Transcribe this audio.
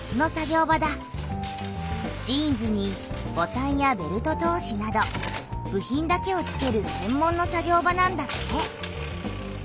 ジーンズにボタンやベルト通しなど部品だけをつける専門の作業場なんだって。